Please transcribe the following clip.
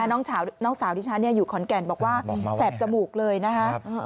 น้องสาวดิฉันอยู่ขอนแก่นบอกว่าแสบจมูกเลยนะคะ